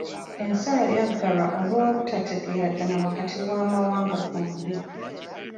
Ensalo yaggalwa olw'obutategeeragana wakati w'amawanga gombi.